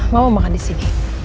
mama makan disini